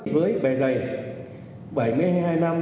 với bề dày bảy mươi hai năm